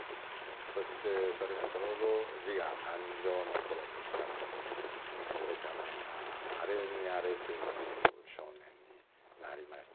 そしてそれがちょうど自我誕生の頃ですからそれからまあ荒れに荒れていく少年になりましたですね。